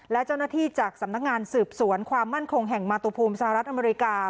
และเจ้าหน้าที่จากสำนักงานสืบสวนความมั่นคงแห่งมาตุภูมิสหรัฐอเมริกา